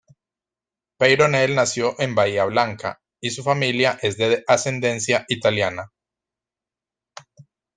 Peyronel nació en Bahía Blanca, y su familia es de ascendencia italiana.